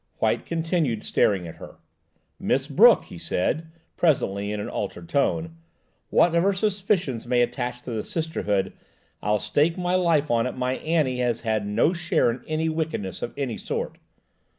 White continued staring at her. "Miss Brooke," he said presently, in an altered tone, "whatever suspicions may attach to the Sisterhood, I'll stake my life on it, my Annie has had no share in any wickedness of any sort."